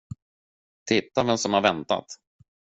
Titta vem som har väntat.